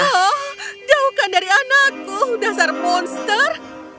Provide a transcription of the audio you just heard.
oh jauhkan dari anakku dasar monster